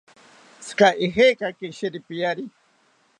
¿Tzika ijekaki sheripiari?